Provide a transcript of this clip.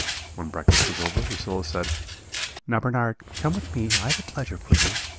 "When breakfast was over, Lucilla said: "'Now, Bernard, come with me I have a pleasure for you.'